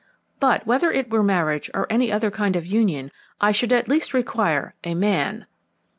But, whether it were marriage or any other kind of union, I should at least require a man."